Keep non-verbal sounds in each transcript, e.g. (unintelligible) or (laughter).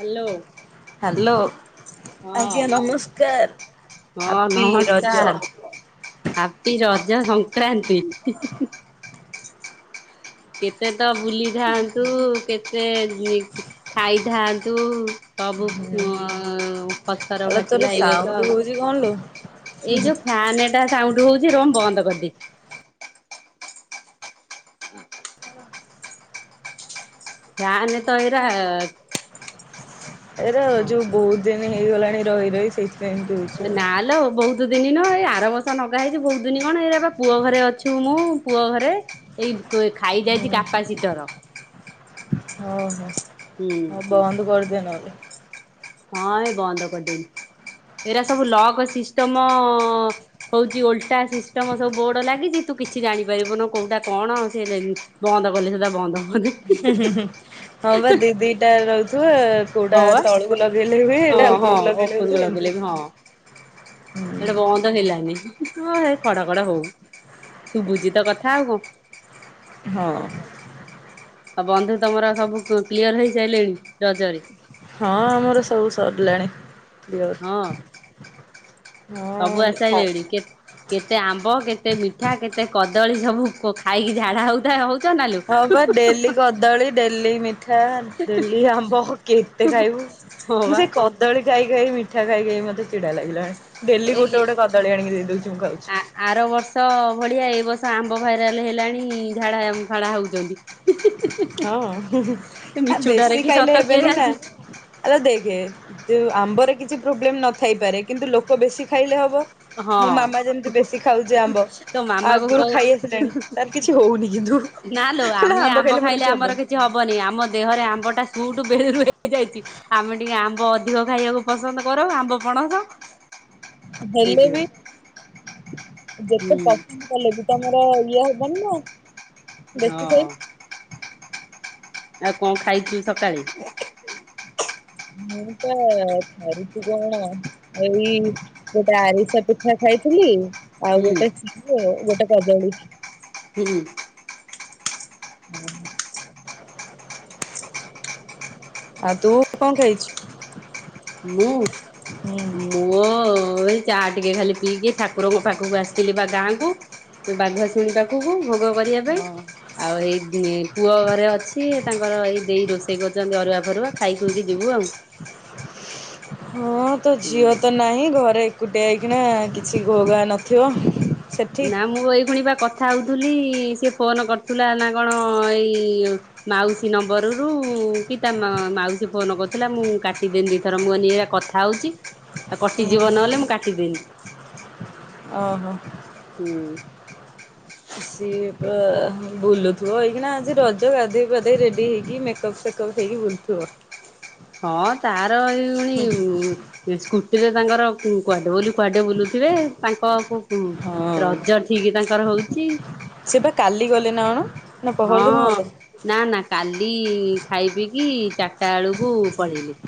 Hello hello ହଁ ଆଜ୍ଞା ନମସ୍କାର ହଁ ହାପି ନମସ୍କାର। ରଜ। ହାପି ରଜ ସଂକ୍ରାନ୍ତି। କେତେ ତ ବୁଲିଥାନ୍ତୁ କେତେ ଖାଇଥାନ୍ତୁ ସବୁ ପଥର ଆଲୋ ତୋର ଫାଟିଲା ଏଇ ବର୍ଷା ସାଉଣ୍ଡ ଆଉ ହଉଛି କଣ ଲୋ? ଏଇ ଯୋଉ ଫ୍ୟାନ ସାଉଣ୍ଡ ହଉଛି ର ମୁଁ ବନ୍ଦ କରିଦିଏ ଫ୍ୟାନ ତ ଏଇଗୁରା ଏ ରା ଯୋଉ ବହୁତ ଦିନ ହେଇଗଲାଣି ରହି ରହି ସେଇଥି ନାଲୋ ବହୁତ ଦୁ ଦିନ ନ ଏଇ ଆରମସା ଲଗା ହେଇଛି ବହୁତ ଦିନ କଣ ଏଇ ବା ପୁଅ ଘରେ ଅଛି ମୁଁ ପୁଅ ଘରେ ଏଇ ଖାଇ ଯାଇଛି କାପା ଶୀଟର ଓହୋ ହୁଁ ହଉ ବନ୍ଦ କରିଦେ ନହେଲେ। ହଁ ଏ ବନ୍ଦ କରିଦେନି ଏଇରା ସବୁ ଲକ୍ ସିଷ୍ଟମ ହଉଛି ଓଲଟା ସିଷ୍ଟମ ସବୁ ବୋର୍ଡ ଲାଗିଛି ତୁ କିଛି ଜାଣିପାରିବୁନ କୋଉଟା କଣ ସେ ବନ୍ଦ କଲେ ସେଟା ବନ୍ଦ ହବନି ହଁ ବା ଦି ଦି ଟା ରହୁଥିବ କୋଉଟା ହଁ ବା ତଳକୁ ଲଗେଇଲେ ହୁଏ ହଁ ଏଇଟା ହଁ ଉପରକୁ ଲଗେଇଲେ ହୁଏ ଏମିତି ସେଇଟା ବନ୍ଦ ହେଲାନି ହ ଖଡ କଡ ହଉ ଶୁଭୁଚି ତ କଥା ଆଉ କ ହଁ ଆଉ ବନ୍ଧୁ ତମର ସବୁ କ୍ଲିଅର ହେଇସାରିଲେଣି ରଜରେ? ହଁ ମୋର ସବୁ ସରିଲାଣି। ହଁ ସବୁ ହଁ ଖ ଆସିସାରିଲେଣି (unintelligible) କେ କେତେ ଆମ୍ବ କେତେ ମିଠା କେତେ କଦଳୀ ସବୁ ଖାଇକି ଝାଡା ହଉଥା ହଉ ହଁ ବା ଡେଲି କଦଳୀ ଡେଲି ମିଠା ଡେଲି ଆମ୍ବ କେତେ ଖାଇବୁ? ହଁ ମୁଁ ବା। ସେଇ କଦଳୀ ଖାଇ ଖାଇ ମିଠା ଖାଇ ଖାଇ ମୋତେ ଚିଡ଼ ଲାଗିଲାଣି ଡେଲି ଗୋଟେ ଏଇ ଗୋଟେ କଦଳୀ ଆଣି ଦେଇଦୋ ଉଛି ମୁଁ ଖାଉଛି। ଆ ଆର ବର୍ଷ ଭଳିଆ ଏ ବର୍ଷ ଆମ୍ବ ଭାଇରାଲ ହେଲାଣି ଝାଡ଼ା ଫାଡା ହୋଉଛନ୍ତି। ହଁ ମିଛୁଟାରେ ବେଶୀ କି ଖାଇଲେ ସତ କିଏ ହେବେନି ନା। ଜାଣିଛି ଆରେ ଦେଖେ ଆମ୍ବରେ କିଛି ପ୍ରୋବ୍ଲେମ ନଥାଇପାରେ କିନ୍ତୁ ଲୋକ ବେଶୀ ଖାଇଲେ ହବ। ହଁ ମୋ ମାମା ଯେମିତି ବେଶୀ ଖାଉଛି ଆମ୍ବ ତୋ ମାମା କୁ ଆଗରୁ କହ ଖାଇ ଆସିଲେଣି ତାର କିଛି ହୋଉନି କିନ୍ତୁ। ନା ଲୋ ଆମେ ଆମ୍ବ ଖାଇଲେ ଆମର କିଛି ହବନି ଆମ ଦେହରେ ଆମ୍ବଟା ସୁଟୁ ବେଳୁରୁୁ ହେଇଯାଇଛି। ଆମେ ଟିକେ ଆମ୍ବ ଅଧିକ ଖାଇବାକୁ ପସନ୍ଦ କରୁ ଆମ୍ବ ପଣସ। ହେଲେ ବି ସେଇଥିପାଇଁ। ଯେତେ ପସନ୍ଦ ହୁଁ (unintelligible) କଲେ ବି ତମର ଇଏ ହବନି ନା। ବେଶୀ ଖାଇ ହଁ। ଆଉ କଣ ଖାଇଛୁ ସକାଳେ? ମୁଁ ତ ଥରୁଚି କଣ ଏଇ ଗୋଟେ ଆରିଷା ପିଠା ଖାଇଥିଲି ଆଉ ହୁଁ ଗୋଟେ ଗୋଟେ କଦଳୀ। ହୁଁ। ହଁ। ଆଉ ତୁ କଣ ଖାଇଚୁ? ମୁଁ? ମୁଁ ଏଇ ଚାହା ଟିକେ ଖାଲି ପିଇକି ଠାକୁରଙ୍କ ପାଖକୁ ଆସିଥିଲି ବା ଗାଁକୁ। ବାଘୁଆ ଶୁଣୀ ପାଖକୁ ଭୋଗ କରିବା ପାଇଁ। ହଁ। ଆଉ ଏଇ ପୁଅ ଘରେ ଅଛି ତାଙ୍କର ଏଇ ଦେଇ ରୋଷେଇ କରୁଛନ୍ତି ଅରୁଆ ଫରୁଆ ଖାଇଖୁଇକି ଯିବୁ ଆଉ। ହଁ ତୋ ହୁଁ ଝିଅ ତ ନାହିଁ ଘରେ ଏକୁଟିଆ ହେଇକିନା କିଛି ଘୋଘା ନଥିବ। ସେଠି ନାଁ ମୁଁ ଏଇ ଫୁଣି ବା କ ଥା ହୋଉଥିଲି ସିଏ ଫୋନ୍ କରୁଥିଲା ନା କଣ ଏଇ ମାଉସୀ ନମ୍ବରରୁୁ କି ତା ମାଉସୀ ଫୋନ କରୁଥିଲା ମୁଁ କାଟିଦେନି ଦିଇଥର ମୁଁ କହିଲି ଏଇନା କଥା କଥା ହୋଉଛି ଆଉ ହୁଁ କଟିଯିବ ହୁଁ ନହେଲେ ମୁଁ କାଟିଦେନି। ଓହୋ। ହୁଁ। ସିଏ ପା ବୁଲୁଥିବ ହେଇକି ନା ଆଜି ରଜ ଗାଧେଇ ପାଧେଇ ରେଡି ହେଇକି ମେକଅପ ସେ ମେକପ୍ ହେଇକି ବୁଲୁଥିବ। ହଁ ତାର ଏଇ ପୁଣି ସ୍କୁଟିରେ ତାଙ୍କର କୁଆଡେ ବୋଲି କୁଆଡେ ବୁଲୁଥିବେ ତାଙ୍କ ହୁଁ ହଁ। ରଜ ଠିକ୍ ତାଙ୍କର ହୋଉଚି। ସିଏ ପା କାଲି ଗଲେ ନା କଣ? ନା ପହର ଦିନ ହଁ। ଗଲେ ନାଁ ନାଁ କାଲି ଖାଇ ପିଇକି ଚାରିଟା ବେଳକୁ ପଳେଇଲେ।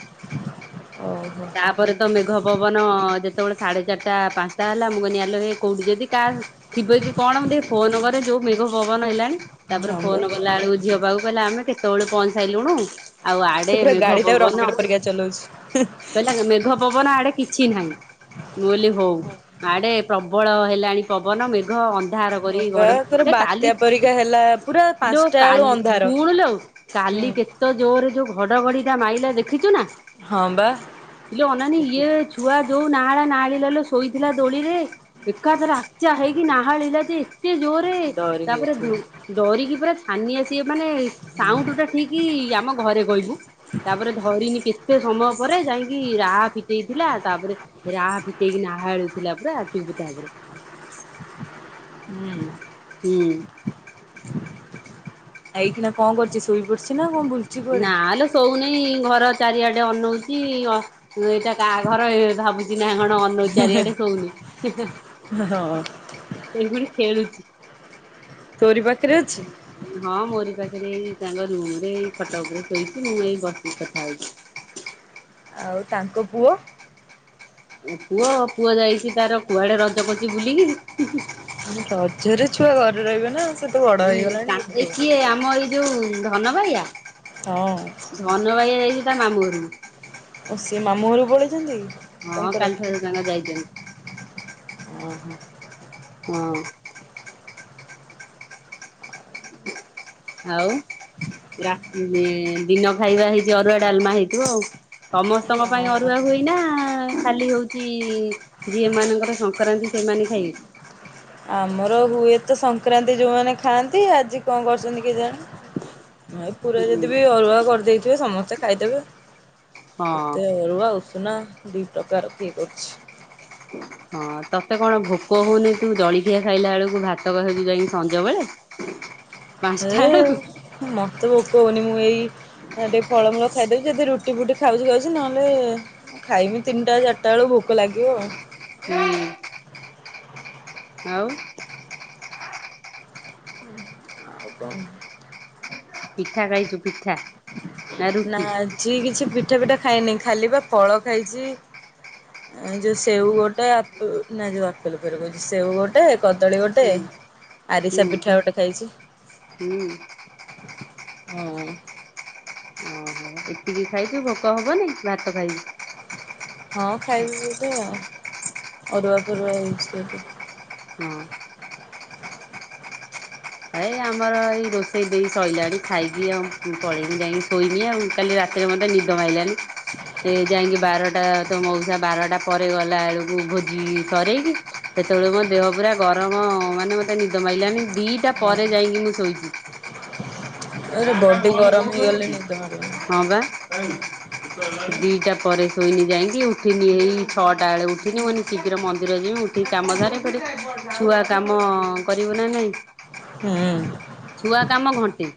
ଓହୋ। ତାପରେ ତ ମେଘ ପବନ ଯେତେବେଳେ ସାଢେ ଚାରିଟା ପାଞ୍ଚଟା ହେଲା ମୁଁ କହିଲି ଆଲୋ ହେ କୋଉଠି ଯଦି କାହା ଥିବ କି କଣ ମୁଁ ଟିକେ ଫୋନ କରେ ଯୋଉ ମେଘ ପବନ ହେଲାଣି। ତାପରେ ହଁ ବା ଫୋନ୍ କଲା ବେଳକୁ ଝିଅ ପାଖକୁ କହିଲା ଆମେ କେତେଓଳେ ପହଞ୍ଚି ସାରିଲୁଣୁ। ଆଉ ଆଡେ ସେ ପୁରା ମେଘ ଗାଡି ଟାକୁ ରକେଟ ପବନ ପରିକା ଚଲଉଛି। ହୁଁ। କହିଲା ମେଘ ପବନ ଆଡେ କିଛି ନାହିଁ। ମୁଁହିଲି ହଉ ଆଡେ ପ୍ରବଳ ହେଲାଣି ପବନ ମେଘ ଅନ୍ଧ ଉଧାର ହଁ କରି ବା ଘଡ ପୁରା ହେ ବାତ୍ୟା କାଲିି ପରିକା ହେଲା ପୁରା ଇଲୋ ପାଞ୍ଚଟା ବେଳୁ କାଲି ଅନ୍ଧାର। ଶୁଣୁଲୋ ହୁଁ କାଲି କେତେ ତ ଜୋରେ ଯୋଉ ଘଡ଼ଘଡ଼ିଟା ମାଇଲା ଦେଖିଛୁ ନା? ହଁ ବା। ଇଲୋ ଅନାନୀ ତୁ ଇଏ ଛୁଆ ଯୋଉ ନାହାଳା ନାହାଳି ଲୋ ଶୋଇଥିଲା ଦୋଳିରେ। ଏକାଥରେ ଆକଚିଆ ହେଇକି ନାହାଳିଲା ଯେ ଏତେ ଜୋରରେ ଡରି ତାପରେ ଯାଇଥିବ। ଡୋ ଡରିକି ପୁରା ହାନିଆ ସିଏ ମାନେ ସାଉଣ୍ଡ ଟା ଠିକି ଆମ ଘରେ କହିବୁ। ତାପରେ ଧରିନି କେତେ ସମୟ ପରେ ଯାଇକି ରା ପିଟେଇଥିଲା ତାପରେ ରାହା ଫିଟେଇକି ନାହାଳି ଥିଲା ପୁରା ଚୁପ୍ ତାପରେ। ହୁଁ। ହୁଁ। ଏଇ ଖୁଣା କଣ କରୁଚି ଶୋଇ ପଡିଚି। ନା ଲୋ ଶୋଉନେଇଁ ଘର ଚାରିଆଡେ ଅନଉଚି ଅ ଏଇଟା କା ଘର ଏ ଭାବୁ ନା କଣ ଅନଉଚି ଚାରିଆଡେ ଶୋଉନି ହେ ହେ ହଁ ଏଇ ଖୁଣି ଖେଳୁଚି। ତୋରି ପାଖରେ ଅଛି? ହଁ ମୋରି ପାଖେରେ ଏଇ ତାଙ୍କ ରୁମ ରେ ଏଇ ଖଟ ଉପରେ ଶୋଇଚି ମୁଁ ଏଇ ବସିି କଥା ହଉଚି। ଆଉ ତାଙ୍କ ପୁଅ? ପୁଅ, ପୁଅ ଯାଇଚି ତାର କୁଆଡେ ରଜ କରୁଚି ବୁଲିକିରି ହିଁ ହିଁ। ରଜରେ ଛୁଆ ଘରେ ରହିବେ ନା। ସେ ତ ବଡ ଏ ହେଇଗଲାଣି ଏଇ ବୁଲୁଥିବ। କିଏ ଆମ ଏଇ ଯୋଉ ଧନବାୟା। ହଁ। ଧନ ବାୟା ଯାଇଚି ତା ମାମୁଁ ଘରକୁ। ଓ ସିଏ ମାମୁଁ ଘରୁ ପଳେଇଚନ୍ତି କି। ହଁ କାଲି ଠାରୁ ତାଙ୍କ ଯାଇଚନ୍ତି। ଓ ହୋ। ହଁ। ଆଉ ରାତି ଦିନ ଖାଇବା ହେଇଚି ଅରୁଆ, ଡାଲମା ହେଇଥିବ ଆଉ। ସମସ୍ତଙ୍କ ପାଇଁ ହଁ। ଅରୁଆ ହୁଏ ନା ଖାଲି ହଉଚି ଯିଏ ମାନଙ୍କର ସଂକ୍ରାନ୍ତି ସେମାନେ ଖାଇବେ? ଆମର ହୁଏତ ସଂକ୍ରାନ୍ତି ଯୋଉମାନେ ଖାଆନ୍ତି। ଆଜି କଣ କରିଚନ୍ତି କେଜାଣି। ନ ପୁରା ହୁଁ ଯଦି ବି ଅରୁଆ କରିଦେଇଥିବେ ସମସ୍ତେ ଖାଇଦେବେ। ହଁ କେତେ ଆଉ ଅରୁଆ ଉଷୁନା ଦି ପ୍ରକାର କିଏ କରୁଚି। (inaudible) ହଁ ତତେ କଣ ଭୋକ ହଉନି ତୁ ଜଳଖିଆ ଖାଇଲା ବେଳକୁ ଭାତ ଖାଉଛୁ ଯାଇକି ସଞ୍ଜ ବେଳେ। ଏ ପାଞ୍ଚଟା ବେଳକୁ ମୋତେ ଭୋକ ହଉନି। ମୁଁ ଏଇ ଆ ଟିକେ ଫଳମୂଳ ଖାଇଦେଉଚି। ଯଦି ରୁଟି ଫୁଟି ଖାଉଛି ଖାଉଛି ନହେଲେ ମୁଁ ଖାଇବି ତିନିଟା ଚାରିଟା ବେଳକୁ ଭୋକ ଲାଗିବ ଆଉ। ହୁଁ। ଆଉ। ଆଉ କଣ? ପିଠା ଖାଇଚୁ ପିଠା? ନା ଆଜି କିଛି ପିଠା ପିଠା ଖାଇନି ଖାଲି ବା ଫଳ ଖାଇଚି। ଏ ଯୋଉ ସେଉ ଗୋଟେ ଆପ ନା ଯୋଉ ଆପେଲ ଫେରେ କହୁଚି ସେଉ ଗୋ ଗୋଟେ କଦଳୀ ଗୋଟେ ହୁଁ ଆରିସା ହୁଁ ପିଠା ଗୋଟେ ଖାଇଚି। ହୁଁ। ହଁ। ଓହୋ ଏତିକି ଖାଇଚୁ ଭୋକ ହବନି ଭାତ ଖାଇନୁ। ହଁ ଖାଇବି ବୋଧେଆଉ ଅରୁଆ ଫରୁଆ ହେଇଚି ଏଠି। ହଁ। ଏଇ ଆମର ଏଇ ରୋଷେଇ ଦେଇ ସଇଲାଣି ଖାଇବି ଆଉ ପଳେଇବି ଯାଇଁକି ଶୋଇନି ଆଉ କାଲି ରା ରାତିରେ ମତେ ନିଦ ମାଇଲାନି। ସେ ଯାଇକି ବାରଟା ତୋ ମଉସା ବାରଟା ପରେ ଗଲା ବେଳକୁ ଭୋଜି ସରେଇକି ସେତେବେଳେ ମୋ ଦେହ ପୁରା ଗରମ ମାନେ ମତେ ନିଦ ମାଇଲାନି ଦିଟା ପରେ ଯାଇକି ମୁଁ ଶୋଇଚି। ଏରେ ବଡି ଗରମ ହେଇଗଲେ ନିଦ ମାଡ଼ିବନି। ହଁ ବା। ଦିଟା ପରେ ଶୋଇନି ଯାଇକି ଉଠିନି ହେଇ ଛଅଟା ବେଳେ ଉଠିନି ମୁଁ କହିନି ଶୀଘ୍ର ମନ୍ଦିର ଯିମି ଉଠିକି କାମ ସାରେ ଫେରେ ଛୁଆ କାମ କରିବୁ ନା ନାଇଁ। ହୁଁ। ଛୁଆ କାମ ଘଣ୍ଟେ।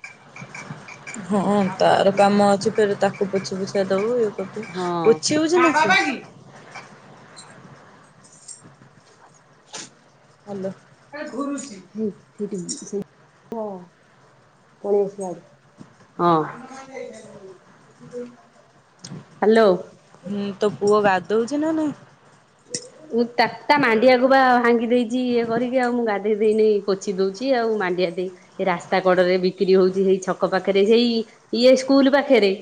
ହଁ ତାର କାମ ଅଛି ଫେର ତାକୁ ପୋଛି ପୋଛା ଦବୁ ଇଏ ପୋଛି ତା ହଉଚି ନା ବାବା ସେ? କି ହ୍ୟାଲୋ। (unintelligible) ହଁ। ହ୍ୟାଲୋ। ହୁଁ ତୋ ପୁଅ ଗାଧଉଚି ନା ନାଇଁ? ମୁଁ ତା ତା ମାଣ୍ଡିଆକୁ ବା ଭାଙ୍ଗି ଦେଇଚି ଇଏ କରିକି ଆଉ ମୁଁ ଗାଧୋଇ ଦେଇ ନେଇ ପୋଛି ଦେଉଚି ଆଉ ମାଣ୍ଡିଆ ଦେଇ ଏ ରାସ୍ତା କଡରେ ବିକ୍ରି ହଉଚି ସେଇ ଛକ ପାଖରେ ସେଇ ଇଏ ସ୍କୁଲ ପାଖରେ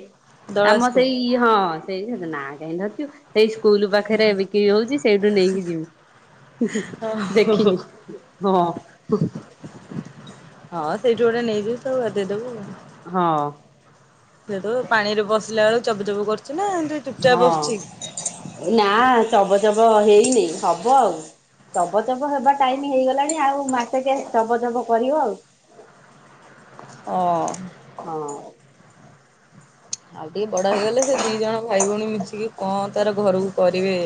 ଦଳାସ ଆମ ପୁଅ? ସେଇ ହଁ ସେଇ ନାଁ କାହିଁ ଧରଚୁ ସେଇ ସ୍କୁଲ ପାଖରେ ବି କ୍ରି ହୋଉଚି ସେଇଠୁ ନେଇକି ଯିବି ଦେଖିନି ହଁ। ହଁ ସେଇଠୁ ଗୋଟେ ନେଇଯିବୁ ତାକୁ ଗାଧେଇ ଦବୁ। ହଁ। ସେଇ ଦବୁ ପାଣି ରେ ବସିଲା ବେଳୁ ଚବ ଚବ କରୁଚି ନା ଏମିତି ଚୁପଚାପ୍ ହଁ। ବସୁଚି? ନା ଚବ ଚବ ହେଇନି ହବ ଆଉ। ଚବଚପ ହେବା ଟାଇମ୍ ହେଇଗଲାଣି ଆଉ ମାସେକ ଚବଚପ କରିବ ଆଉ। ଓଁ। ହଁ। ଆଉ ଟିକେ ବଡ ହେଇଗଲେ ସେ ଦି ଜଣ ଭାଇ ଭଉଣୀ ମିଶିକି କଣ ତାର ଘରକୁ କରିବେ?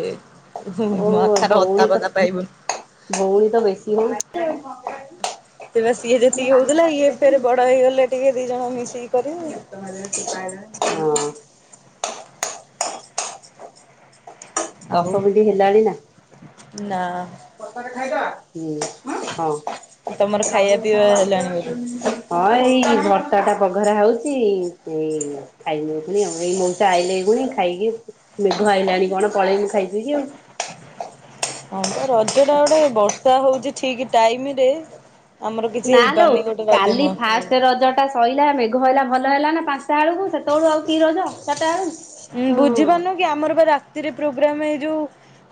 ହୁଁ ଓ ତାର ଭଉଣୀ ତ ଅତାପତା ପାଇବୁନି। ଭଉଣୀ ତ ବେଶୀ ହଉଚି ଆଉ। ତେବେ ସିଏ ଯେତିକି ହଉଥିଲା ଇଏ ଫେରେ ବଡ ହେଇଗଲେ ଟିକେ ଦି ଜଣ ମିଶିକି କରିବେ। ହଁ। ଆଉ ଦଶ ବିଧି ହେଲାଣି ନା। ନା ହୁଁ ହଁ (inaudible) ହଁ ତମର ଖାଇବା ପିଇବା ଏଇ ହେଲାଣି ବୋଧେ? ବର୍ତ୍ତା ଟା ପଘରା ହେଉଚି ଏଇ ଖାଇବୁ ଏଇ ଖୁଣି ଆଉ ଏଇ ମଉସା ଆଇଲେ ଏଇ ଖୁଣି ଖାଇକି ମେଘ ଆଇଲାଣି କଣ ପଳେଇବୁ ଖାଇ ପି କି ଆଉ। ହଁ ତ ରଜ ଟା ଗୋଟେ ବର୍ଷା ହଉଚି ଠିକ ଟାଇମ୍ ରେ ଆମର କିଛି ନା ଲୋ ହେଇପାରୁନି ଗୋଟେ ରଜ କାଲି ମହୋତ୍ସବ ଫାଷ୍ଟ ରଜ ଶୋଇଲା ମେଘ ହେଇଲା ଭଲ ହେଲା ନା ପାଞ୍ଚଟା ବେଳକୁ ସେତେବେଳୁ ଆଉ କି ରଜ ଚାରଟା ବେଳୁ। ଉଁ ବୁଝିପାରୁନୁ କି ଆମର ବା ରାତିରେ ପ୍ରୋଗ୍ରାମ ଏଇ ଯୋଉ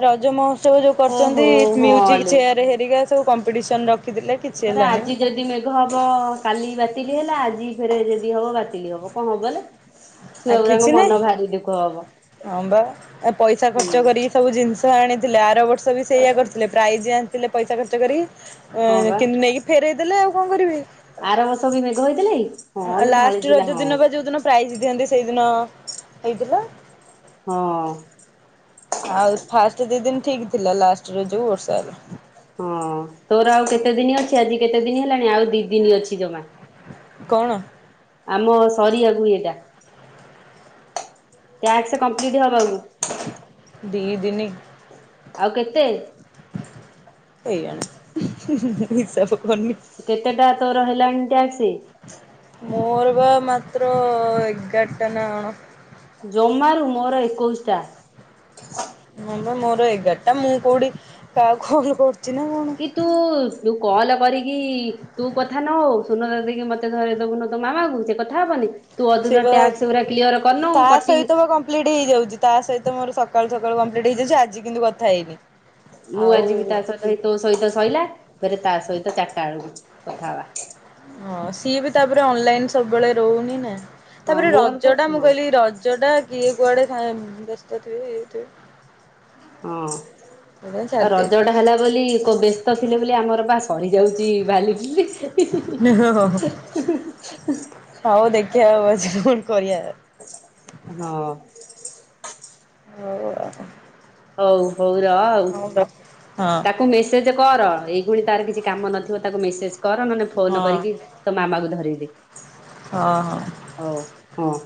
ରଜମ ବ ଯୋଉ କରୁଛନ୍ତି ଓହୋ ହଁ ମ୍ୟୁଜିକ୍ ଲୋ ଚେୟାର ହେରିକା ସବୁ କମ୍ପିଟିସନ ରଖିଥିଲେ କିଛି ପରା ହେଲାନି। ଆଜି ଯଦି ହବ କାଲି ବାତିଲି ହେଲା ଆଜି ଫେରେ ଯଦି ହବ ବାତିଲ ହବ କଣ ହବ ହେ ଆ କିଛି ନାଇଁ ହବ ହଁ ବା ଏ ପଇସା ହୁଁ ଖର୍ଚ୍ଚ କରିକି ସବୁ ଜିନିଷ ଆଣିଥିଲେ ଆର ବର୍ଷ ବି ସେଇୟଆ କରିଥିଲେ ପ୍ରାଇଜ୍ ଆଣିଥିଲେ ପଇସା ଖର୍ଚ କରି ହଁ ବା କିନ୍ତୁ ନେଇକି ଫେରଇ ଦେଲେ ଆଉ କଣ କରିବବେ। ଆରବର୍ଷ ବି ମେଘ ହେଇଥିଲେ କି? ହଁ ଲୋ ଲାଷ୍ଟ ଢାଳିଥିଲା ରଜ ହଁ ଦିନ ବା ଯୋଉ ଦିନ ପ୍ରାଇଜ ଦିଅନ୍ତି ସେଇଦିନ ହେଇଥିଲା। ହଁ। ଆଉ ଫାଷ୍ଟ ଦି ଦିନ ଠିକ ଥିଲା ଲାଷ୍ଟ ର ଯୋଉ ବର୍ଷା ହେଲା। ହଁ ତୋର ଆଉ କେତେ ଦିନ ଅଛି ଆଜି କେତେ ଦିନ ହେଲାଣି ଆଉ ଦି ଦିନ ଅଛି ଜମା। କଣ? ଆମ ସରିିବାକୁ ଏଇଟା। ଟ୍ୟାକ୍ସ କଂପ୍ଲିଟ୍ ହେବାକୁ। ଦି ଦିନି। ଆଉ କେତେ? କେଜାଣି ହିସାବ କରିନି (unintelligible) କେତେଟା ତୋର ହେଲାଣି ଟ୍ୟାକ୍ସ? ମୋର ବା ମାାତ୍ର ଏଗାର ଟା ଅନ ଜମାରୁ ମୋର ଏକୋଇଶି ଟା। ହଁ ବା ମୋର ଏଗାର ଟା ମୁଁ କୋଉଠି କାହାକୁ ଫୋନ କରୁଛି ନା କଣ। କି ତୁ କଲ କରିକି ତୁ କଥା ନ ହଉ ଶୁଣ ଦେକି ମତେ ଧରେ ଦବୁନ ତୋ ମାମାଙ୍କୁ ସେ କଥା ହବନି? ତୁ ସେ ଅଧୁର ବା ଟ୍ୟାକ୍ସ ଗୁଡା କିଲିୟର କରୁନୁ କଟିି କଂପ୍ଲିଟ୍ ହେଇଯାଉଛି ତା ସହିତ ମୋର ସକାଳୁ ସକାଳୁ କମ୍ପ୍ଲିଟ୍ ହେଇାଉଛି ଆଜି କିନ୍ତୁ କଥା ହେଇନି। ମୁଁ ଆଉ ଆଜି ବି ତା ସହିତ ତୋ ସହିତ ସରିଲା ପରେ ତା ସହିତ ଚାରିଟା ବେଳକୁ କଥା ହବା। ହଁ ସିଏ ବି ତାପରେ ଅନଲାଇନ ସବୁବେଳେ ରହୁନି ନା। ହଁ ତାପରେ ମୋର ତ ରଜ ଟା ମୁଁ ହଁ କହିଲି ରଜ ଟା କିଏ କୁଆଡେ ବ୍ୟସ୍ତ ଥାଏ ଇଏ ଥିବେ। ହଁ ସେଇଥିପାଇଁ ଆଉ ଛାଡି ରଜ ଦେଇଥିଲି। ଟା ହେଲା ବୋଲି ବ୍ୟସ୍ତ ଥିଲେ ବୋଲି ଆମର ବା ପଡି ଯାଉଛି ବାଲି (unintelligible) ହଉ ଦେଖିଆ ପଛେକଣ କରିଆ ଆଉ। ହଁ। ହଉ (inaudible) ହଉ ହଉ ରହ ଆଉ। ହଁ ତାକ୍ କୁ ମେସେଜ କର ଏଇଗୁଣି ତାର କିଛି କାମ ନଥିବ ତାକୁ ମେସେଜ କର ନହେଲେ ହଁ ଫୋନ୍ କରିକି। ତୋ ମାମାକୁ ଧରେଇଦେ। ହ ହ। ହଉ, ହଁ।